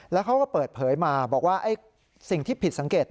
แล้วเขาก็เปิดเผยมาบอกว่าสิ่งที่ผิดสังเกต